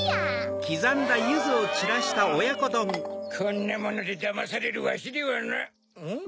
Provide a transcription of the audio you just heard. こんなものでだまされるわしではなん？